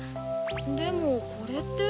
でもこれって？